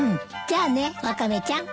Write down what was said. じゃあねワカメちゃん。